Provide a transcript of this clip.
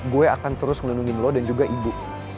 gue akan terus melindungi lo dan juga ibu